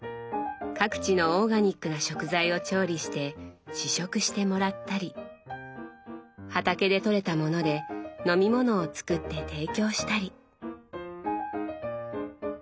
各地のオーガニックな食材を調理して試食してもらったり畑でとれたもので飲み物を作って提供したり。